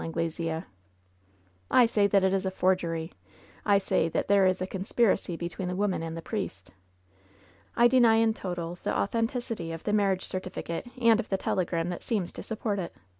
Anglesea V^ "I say that it is a forgery ! I say that there is a con spiracy between the woman and the priest. I deny in toto the authenticity of the marriage certificate and of the telegram that seems to support it.